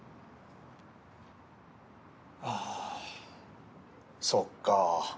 ああそっか。